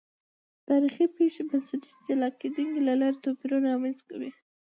تاریخي پېښې بنسټي جلا کېدنې له لارې توپیرونه رامنځته کوي.